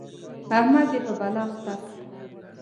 احمد يې په بلا اخته کړ.